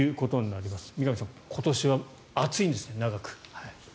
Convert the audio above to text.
三上さん、今年は暑いんですね長く。